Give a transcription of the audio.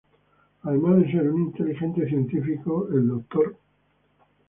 Además de ser un inteligente científico, el Dr.